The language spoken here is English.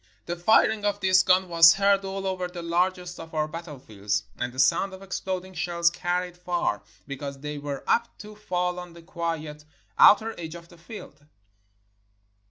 The firing of this gun was heard all over the largest of our battlefields, and the sound of exploding shells carried far, because they were apt to fall on the quiet, outer edge of the field.